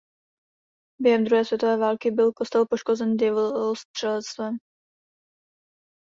Během druhé světové války byl kostel poškozen dělostřelectvem.